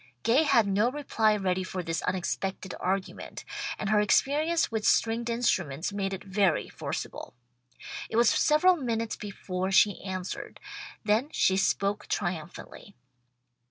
Gay had no reply ready for this unexpected argument, and her experience with stringed instruments made it very forcible. It was several minutes before she answered, then she spoke triumphantly.